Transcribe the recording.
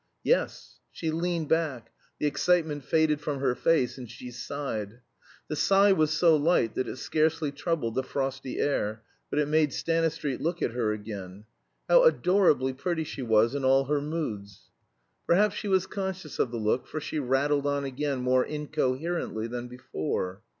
"Yes." She leaned back; the excitement faded from her face, and she sighed. The sigh was so light that it scarcely troubled the frosty air, but it made Stanistreet look at her again. How adorably pretty she was in all her moods! Perhaps she was conscious of the look, for she rattled on again more incoherently than before.